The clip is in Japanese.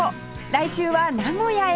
来週は名古屋へ